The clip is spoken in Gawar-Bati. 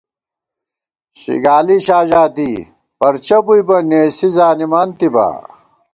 شِگالِی شاژادی، پرچہ بُوئی بہ نېسی زانِمانتِبا